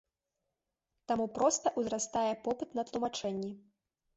Таму проста ўзрастае попыт на тлумачэнні.